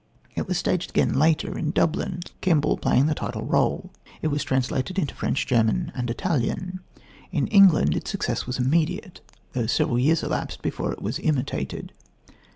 It was staged again later in Dublin, Kemble playing the title rôle. It was translated into French, German and Italian. In England its success was immediate, though several years elapsed before it was imitated.